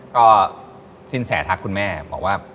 ก็สิ้นแสทักคุณแม่บอกว่า